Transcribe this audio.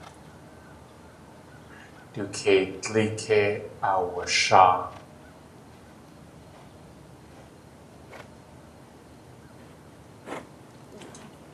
Du keidlí kei aawasháa.